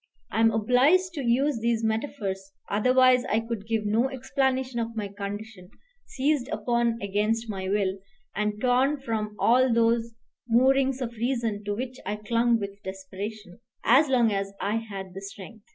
I am obliged to use these metaphors, otherwise I could give no explanation of my condition, seized upon against my will, and torn from all those moorings of reason to which I clung with desperation, as long as I had the strength.